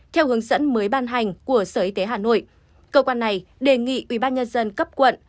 theo hướng dẫn mới ban hành của sở y tế hà nội cơ quan này đề nghị ubnd cấp quận